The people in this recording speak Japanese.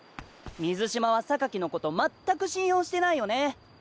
水嶋はのことまったく信用してないよね。